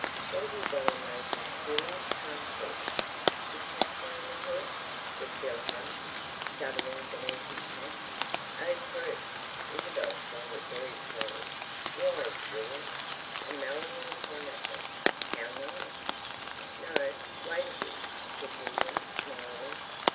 "What have you got in those mysterious parcels?" "De cap it ated heads!" said Bill Hunt, shuddering beneath his hat. "Oh, fruit!" Isabel sounded very pleased. "Wise William! A melon and a pineapple. How too nice!" "No, wait a bit," said William, smiling.